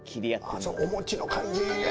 お餅の感じいいね。